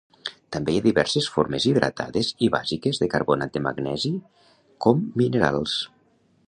També hi ha diverses formes hidratades i bàsiques de carbonat de magnesi com minerals.